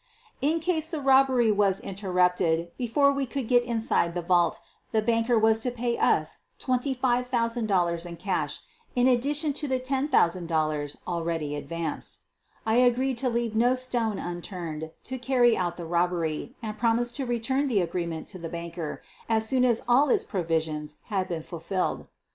In case the robbery was interrupted before we could get inside the vault the banker was to pay us $25,000 in cash in addition to the $10,000 already advanced. I agreed to leave no stone unturned to carry out the robbery and promised to return the agreement to the banker as soon as all its provisions had been fulfilled.